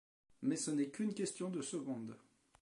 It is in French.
mais ce n'est qu'une question de secondes.